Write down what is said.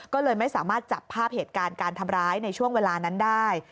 ก็เลยไม่สามารถจับภาพเหตุการณ์การทำร้ายในช่วงเวลานั้นได้